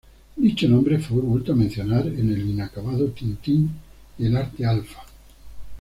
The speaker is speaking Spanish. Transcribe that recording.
Dicho nombre fue vuelto a mencionar en el inacabado "Tintín y el Arte-Alfa".